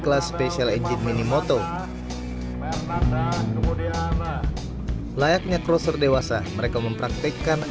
kelas special engine minimoto layaknya kroser dewasa mereka mempraktekkan